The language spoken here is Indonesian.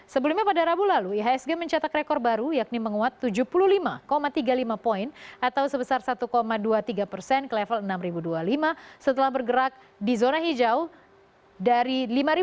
sebelumnya pada rabu lalu ihsg mencetak rekor baru yakni menguat tujuh puluh lima tiga puluh lima poin atau sebesar satu dua puluh tiga persen ke level enam ribu dua puluh lima setelah bergerak di zona hijau dari lima